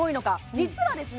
実はですね